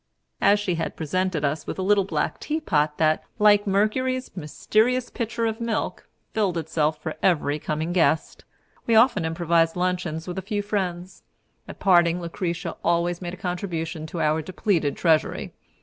As she had presented us with a little black teapot that, like Mercury's mysterious pitcher of milk, filled itself for every coming guest, we often improvised luncheons with a few friends. At parting, Lucretia always made a contribution to our depleted treasury.